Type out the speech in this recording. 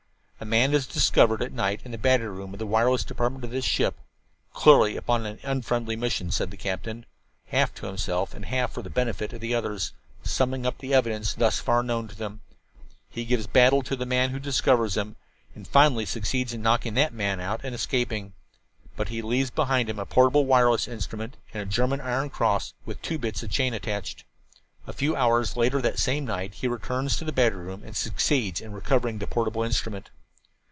"A man is discovered at night in the battery room of the wireless department of this ship, clearly upon an unfriendly mission," said the captain, half to himself and half for the benefit of the others, summing up the evidence thus far known to them. "He gives battle to the man who discovers him, and finally succeeds in knocking that man out and escaping. But he leaves behind him a portable wireless instrument, and a German iron cross, with two bits of the chain attached. "A few hours later that same night he returns to the battery room and succeeds in recovering the portable instrument.